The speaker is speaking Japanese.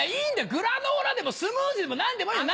グラノーラでもスムージーでも何でもいいよ。